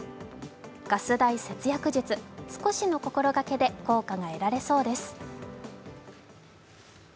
ガス代節約術、少しの心がけで効果が得られそうです。